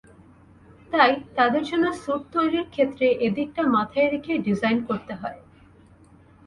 তাই, তাদের জন্য স্যুট তৈরির ক্ষেত্রে এদিকটা মাথায় রেখেই ডিজাইন করতে হয়।